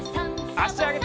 あしあげて。